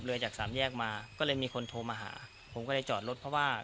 จากสามแยกมาก็เลยมีคนโทรมาหาผมก็เลยจอดรถเพราะว่า